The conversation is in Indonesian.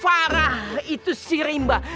farah itu sirimba